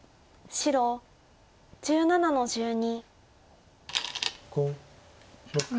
白１８の十二。